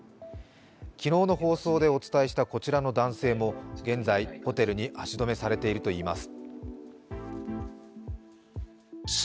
昨日の放送でお伝えしたこちらの男性も現在、ホテルに足止めされているといいます。